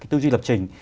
tư duy lập trình